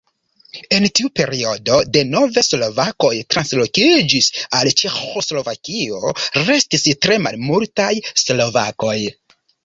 En tiu periodo denove slovakoj translokiĝis al Ĉeĥoslovakio, restis tre malmultaj slovakoj.